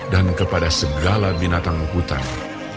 dan kepada segala binatang hutan